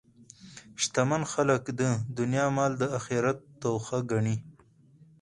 شتمن خلک د دنیا مال د آخرت توښه ګڼي.